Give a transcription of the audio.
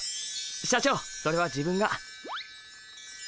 社長それは自分が。